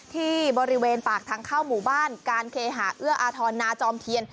ที่บริเวณปากทางเข้าหมู่บ้านการเคหาเอื้ออาทรนาจอมเทียน